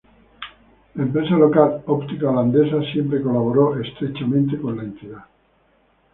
La empresa local Óptica Holandesa siempre colaboró estrechamente con la entidad.